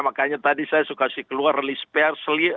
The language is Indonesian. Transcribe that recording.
makanya tadi saya suka keluar list pers